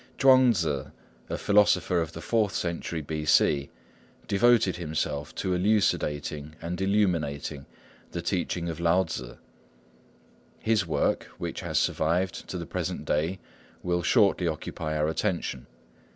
Chuang Tzŭ, a philosopher of the fourth century B.C., devoted himself to elucidating and illuminating the teaching of Lao Tzŭ. His work, which has survived to the present day, will shortly occupy our attention.